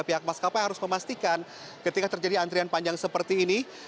pihak emas kapal yang harus memastikan ketika terjadi antrian panjang seperti ini